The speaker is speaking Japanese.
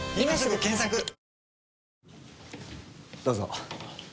どうぞ。